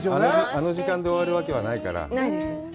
あの時間で終わるわけがないから、ないです。